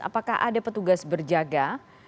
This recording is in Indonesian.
apakah ada petugas berjaga